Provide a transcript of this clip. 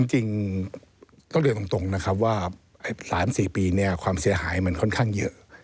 จริงต้องเลือกตรงนะครับว่า๓๔ปีความเสียหายมันค่อนข้างเยอะ